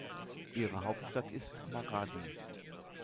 Ihre Hauptstadt ist Maradi.